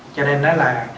cho nên đó là